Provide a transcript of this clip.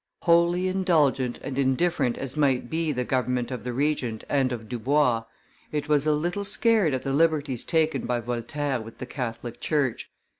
Wholly indulgent and indifferent as might be the government of the Regent and of Dubois, it was a little scared at the liberties taken by Voltaire with the Catholic church.